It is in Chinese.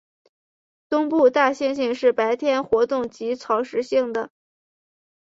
东部大猩猩是白天活动及草食性的。